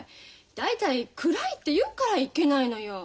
大体暗いって言うからいけないのよ。